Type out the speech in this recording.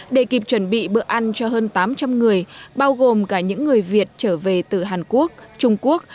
để kịp chuẩn bị bữa ăn cho hơn tám trăm linh người bao gồm cả những người việt trở về từ hàn quốc trung quốc